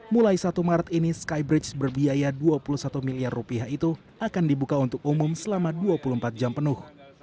mulai satu maret ini skybridge berbiaya dua puluh satu miliar rupiah itu akan dibuka untuk umum selama dua puluh empat jam penuh